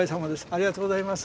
ありがとうございます。